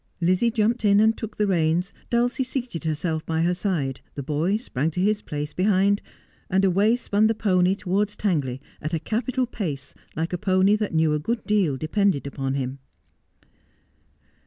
Lizzie jumped in and took the reins, Dulcie seated herself by her side, the boy sprang to his place behind, and away spun the pony towards Tangley at a capital pace, like a pony that knew a good deal depended upon him.